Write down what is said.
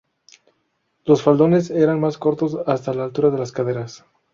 Los faldones eran más cortos hasta la altura de las caderas.